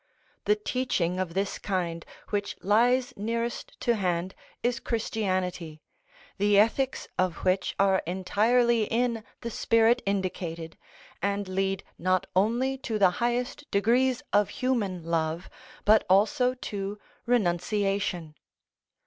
The teaching of this kind which lies nearest to hand is Christianity, the ethics of which are entirely in the spirit indicated, and lead not only to the highest degrees of human love, but also to renunciation.